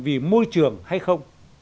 vì môi trường hay không